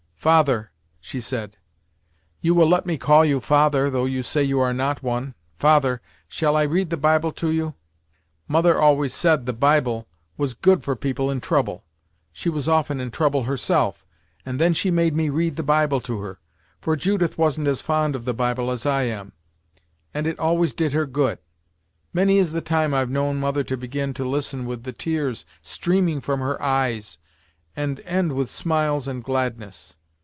"Father," she said "you will let me call you father, though you say you are not one Father, shall I read the Bible to you mother always said the Bible was good for people in trouble. She was often in trouble herself, and then she made me read the Bible to her for Judith wasn't as fond of the Bible as I am and it always did her good. Many is the time I've known mother begin to listen with the tears streaming from her eyes, and end with smiles and gladness.